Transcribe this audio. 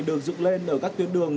được dựng lên ở các tuyến đường